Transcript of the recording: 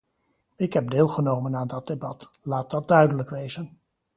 Ik heb deelgenomen aan dat debat, laat dat duidelijk wezen.